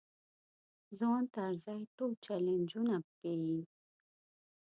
ځوان طرزی ټول چلنجونه پېيي.